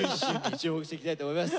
注目していきたいと思います。